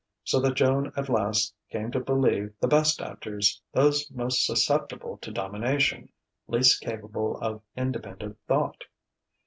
So that Joan at last came to believe the best actors those most susceptible to domination, least capable of independent thought.